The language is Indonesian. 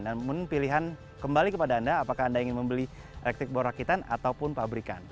namun pilihan kembali kepada anda apakah anda ingin membeli elektrik bor rakitan ataupun pabrikan